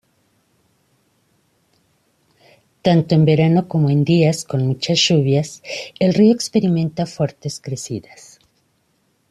Tanto en verano, como en días con muchas lluvias, el río experimenta fuertes crecidas.